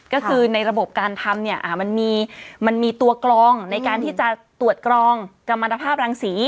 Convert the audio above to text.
ก็คือในระบบการทำเนี่ยมันมีตัวกรองในการที่จะตรวจกรองกรรมภาพรังสี